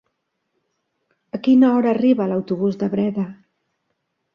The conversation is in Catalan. A quina hora arriba l'autobús de Breda?